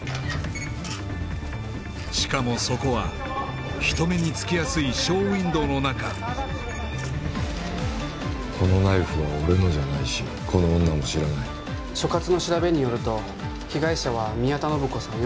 しかもそこは人目につきやすいショーウインドーの中このナイフは俺のじゃないしこの女も知らない所轄の調べによると被害者は宮田信子さん